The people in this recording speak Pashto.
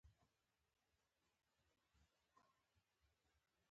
ملا صاحب ویل: روژه یوازې خوله تړل نه دي.